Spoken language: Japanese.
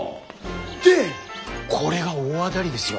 でこれが大当だりですよ。